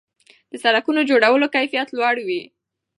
د سړکونو جوړولو کیفیت لوړ وي.